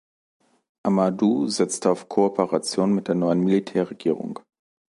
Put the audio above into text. Amadou setzte auf Kooperation mit der neuen Militärregierung.